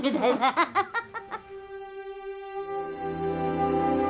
ハハハハ！